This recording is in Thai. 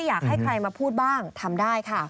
อยากให้ใครมาพูดบ้างทำได้ค่ะ